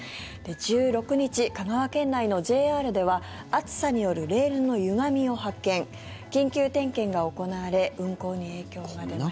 １６日、香川県内のＪＲでは暑さによるレールのゆがみを発見緊急点検が行われ運行に影響が出ました。